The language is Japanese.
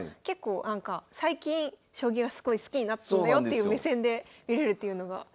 結構なんか最近将棋がすごい好きになったんだよっていう目線で見れるっていうのが。